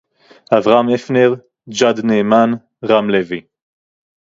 אברהם הפנר, ג'אד נאמן, רם לוי